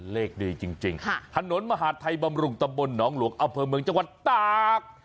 เลขดีจริงถนนมหาดไทยบำรุงตำบลหนองหลวงอำเภอเมืองจังหวัดตาก